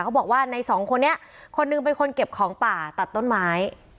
เขาบอกว่าในสองคนนี้คนหนึ่งเป็นคนเก็บของป่าตัดต้นไม้